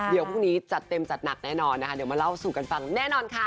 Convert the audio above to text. เดี๋ยวพรุ่งนี้จัดเต็มจัดหนักแน่นอนนะคะเดี๋ยวมาเล่าสู่กันฟังแน่นอนค่ะ